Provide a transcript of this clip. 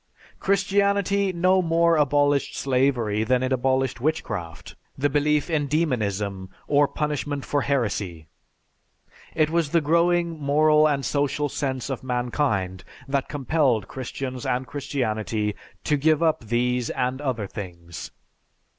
Christianity no more abolished slavery than it abolished witchcraft, the belief in demonism, or punishment for heresy. It was the growing moral and social sense of mankind that compelled Christians and Christianity to give up these and other things."